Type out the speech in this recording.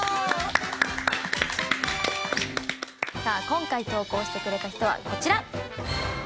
今回投稿してくれた人はこちら。